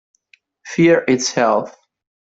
Fear Itself